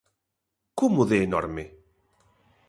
Como de enorme?